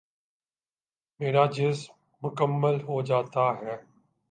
میرا جسم مکمل ہو جاتا ہے ۔